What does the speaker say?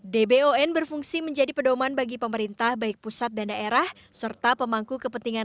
dbon berfungsi menjadi pedoman bagi pemerintah baik pusat dan daerah serta pemangku kepentingan